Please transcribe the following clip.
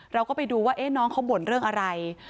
เราก็ไปดูว่าน้องเขาบ่นเรื่องอะไร